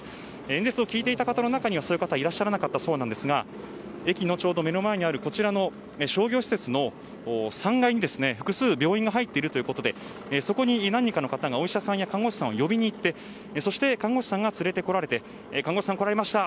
演説を聞いていた方の中にはそういった方いらっしゃらなかったそうなんですが駅の目の前にあるこちらの商業施設の３階に複数、病院が入っているということでそこに何人かの方がお医者さんや看護師さんを呼びに行ってそして看護師さんが連れてこられて看護士さんが来られました